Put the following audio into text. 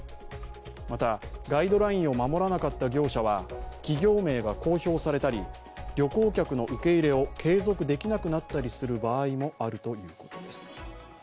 また、ガイドラインを守らなかった業者は企業名が公表されたり旅行客の受け入れを継続できなくなったりする場合もあるということです。